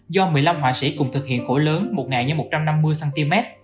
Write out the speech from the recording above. do một mươi năm họa sĩ cùng thực hiện khổ lớn một một trăm năm mươi cm